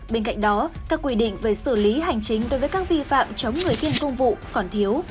bên cạnh đó các quy định về xử lý hành chính đối với các vi phạm chống người thi hành công vụ còn thiếu